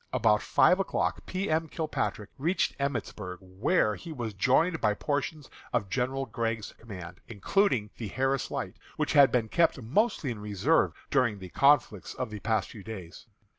About five o'clock P. M. Kilpatrick reached Emmitsburg, where he was joined by portions of General Gregg's command, including the Harris Light, which had been kept mostly in reserve during the conflicts of the past few days.